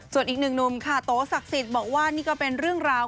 ส่วนอีกหนึ่งหนุ่มค่ะโตศักดิ์สิทธิ์บอกว่านี่ก็เป็นเรื่องราว